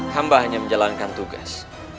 tambahnya menjalankan tugas